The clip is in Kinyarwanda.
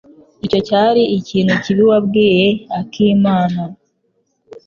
Icyo cyari ikintu kibi wabwiye akimana.